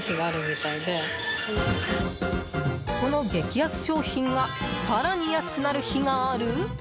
この激安商品が更に安くなる日がある？